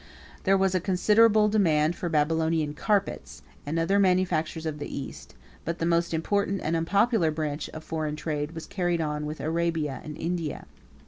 101 There was a considerable demand for Babylonian carpets, and other manufactures of the East; but the most important and unpopular branch of foreign trade was carried on with Arabia and India.